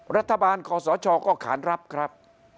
รัฐบาลคอสชก็ขานรับครับ